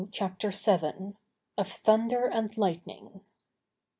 CHAPTER VII. OF THUNDER AND LIGHTNING.